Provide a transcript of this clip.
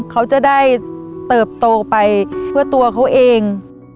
เขาจะได้เติบโตไปเพื่อตัวเขาเอง